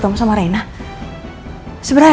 tepuk tangan saya